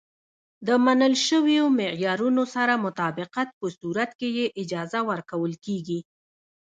د منل شویو معیارونو سره مطابقت په صورت کې یې اجازه ورکول کېږي.